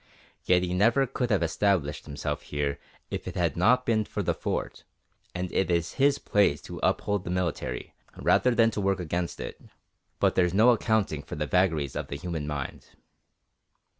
Yet he never could have established himself here if it had not been for the Fort, and it is his place to uphold the military, rather than to work against it; but there's no accounting for the vagaries of the human mind.